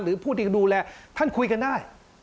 หรือผู้ที่ดูแลท่านคุยกันได้